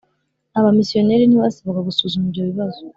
Abamisiyoneri ntibasibaga gusuzuma ibyo bibazo